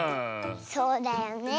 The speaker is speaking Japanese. そうだよねえ。